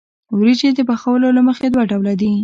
وریجې د پخولو له مخې دوه ډوله دي.